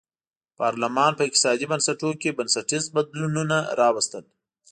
پارلمان په اقتصادي بنسټونو کې بنسټیز بدلونونه راوستل.